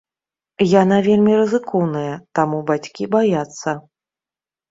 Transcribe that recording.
Яна вельмі рызыкоўная, таму бацькі баяцца.